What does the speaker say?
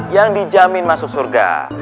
yang dijamin masuk surga